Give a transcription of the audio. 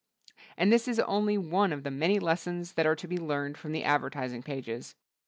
And this is only one of the many lessons that are to be learned from the advertising pages.